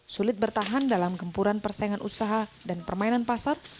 sulit bertahan dalam gempuran persaingan usaha dan permainan pasar